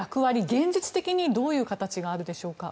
現実的にどういう形があるでしょうか？